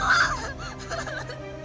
ayah ayah tolong jangan